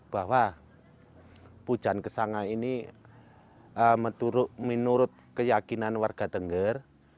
bahwa hujan kesangai ini menurut keyakinan warga tengger